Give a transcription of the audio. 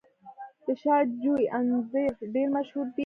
د شاه جوی انځر ډیر مشهور دي.